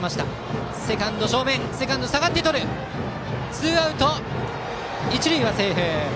ツーアウト、一塁はセーフ。